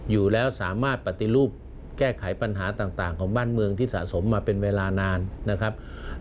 อยู่แล้วสามารถปฏิรูปแก้ไขปัญหาต่างของบ้านเมืองที่สะสมมาเป็นเวลานานนะครับ